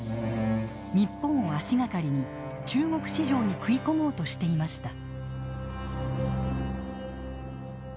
日本を足がかりに中国市場に食い込もうとしていました。